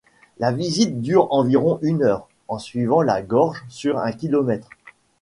La visite dure environ une heure en suivant la gorge sur un kilomètre.